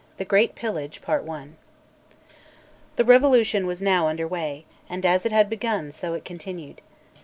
THE GREAT PILLAGE. The revolution was now under weigh, and as it had begun so it continued.